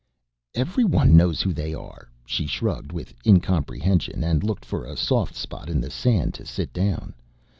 "Everyone knows who they are." She shrugged with incomprehension and looked for a soft spot in the sand to sit down.